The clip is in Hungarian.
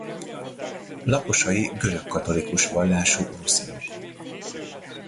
Lakosai görögkatolikus vallású ruszinok.